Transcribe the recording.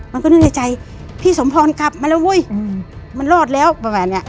มันก็หนื่นใจพี่สมภลกลับมาเลยไว้มันรอดแล้วอย่างเนี้ย